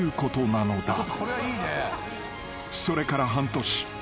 ［それから半年］